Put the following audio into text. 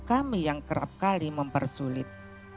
kami yang kerap kali mempersulit